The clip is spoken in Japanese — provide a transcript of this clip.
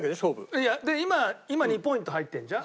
いやで今今２ポイント入ってるじゃん？